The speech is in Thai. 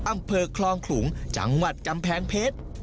อำเภอคลองขลุงจังหวัดกำแพงเพชร